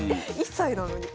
１歳なのに。